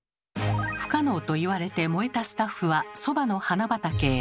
不可能と言われて燃えたスタッフはソバの花畑へ。